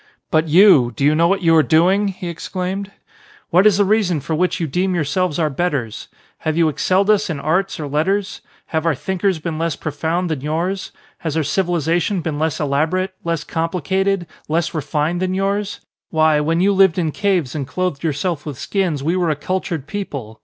"But you, do you know what you are doing?" he exclaimed. "What is the reason for which you deem yourselves our betters? Have you excelled us in arts or letters ? Have our thinkers been less profound than yours? Has our civilisation been less elaborate, less complicated, less refined than yours ? Why, when you lived in caves and clothed yourselves with skins we were a cultured people.